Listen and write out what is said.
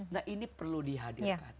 nah ini perlu dihadirkan